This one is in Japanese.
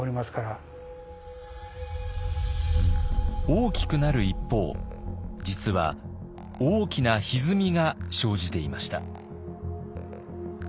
大きくなる一方実は大きなひずみが生じていました。